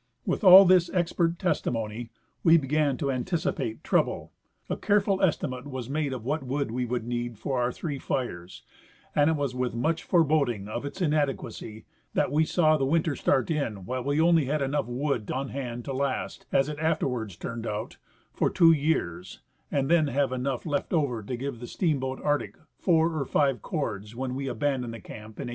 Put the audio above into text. With all this expert testimony Ave began to anticipate trouble. 186 J. E. McGrath — The AlasJcan Boundary Survey. A careful estimate was niade of what wood we would need for our three fires, and it was with much foreboding of its inadequacy that we saw the winter start in while we had onl}^ enough wood on hand to last, as it afterwards turned out, for two years, and then have enough left over to give the steamboat Arctic four or five cords when we abandoned the camp in 1891.